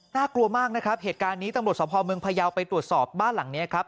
กลัวมากนะครับเหตุการณ์นี้ตำรวจสภเมืองพยาวไปตรวจสอบบ้านหลังนี้ครับ